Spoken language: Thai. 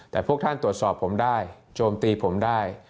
แต่พวกท่านตรวจสอบผมได้โจมตีผมได้